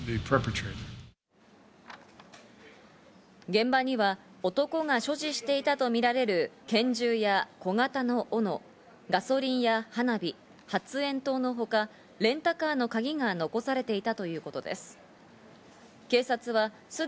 現場には男が所持していたとみられる拳銃や小型のオノ、ガソリンや花火、発煙筒のほか、レンタカーの鍵が残されていたということです。